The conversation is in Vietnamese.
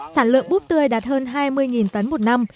sản lượng búp tươi đạt hơn hai mươi tấn một năm